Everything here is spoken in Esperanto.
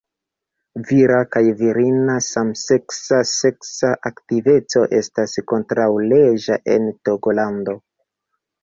Vira kaj virina samseksa seksa aktiveco estas kontraŭleĝa en Togolando.